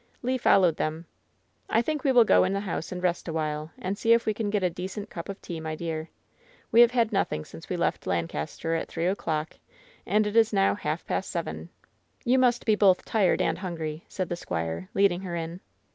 Le followed them. "I think we will go in the house and rest a while, and see if we can get a decent cup of tea, my dear. We have had nothing since we left Lancaster, at three o'clock, and it is now half past seven. You must be both tired and hungry,'' said the squire, leading her in.